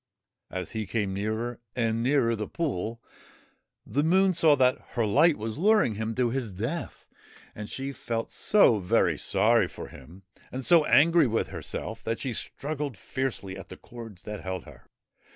As he came nearer and nearer the pool, the Moon saw that her light was luring him to his death, and she felt so very sorry for him, and so angry with herself that she struggled fiercely at the cords that held her.